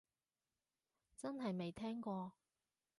真係未聽過